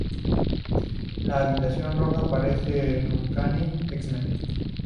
La Habitación Roja aparece en Uncanny X-Men.